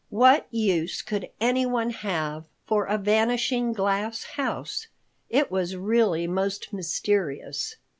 What use could anyone have for a vanishing glass house? It was really most mysterious.